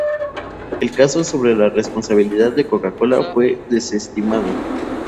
El caso sobre la responsabilidad de Coca-Cola fue desestimado.